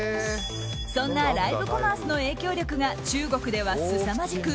そんなライブコマースの影響力が中国ではすさまじく